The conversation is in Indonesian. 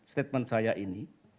statement saya ini